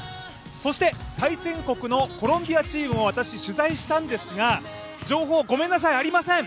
そして対戦国のコロンビアチームも私、取材したんですが、情報、ごめなさい、ありません！